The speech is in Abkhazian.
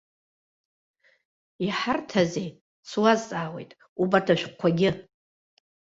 Иҳарҭазеи, суазҵаауеит, убарҭ ашәҟәқәагьы?